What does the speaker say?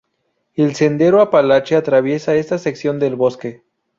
El sendero apalache atraviesa esta sección del bosque.